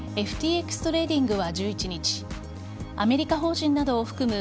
ＦＴＸトレーディングは１１日アメリカ法人などを含む